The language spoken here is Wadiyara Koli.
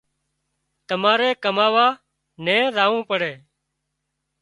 تماري ڪماوا نين زاوون پڙي